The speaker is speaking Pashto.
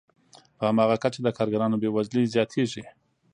په هماغه کچه د کارګرانو بې وزلي زیاتېږي